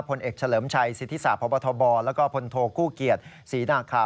ผลเอกเฉลิมชัยสิทธิศาสพบทบแล้วก็พลโทกู้เกียรติศรีนาคา